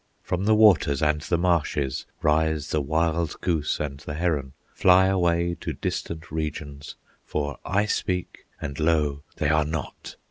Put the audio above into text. From the waters and the marshes, Rise the wild goose and the heron, Fly away to distant regions, For I speak, and lo! they are not.